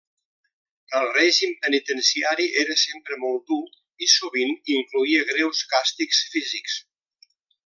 El règim penitenciari era sempre molt dur i sovint incloïa greus càstigs físics.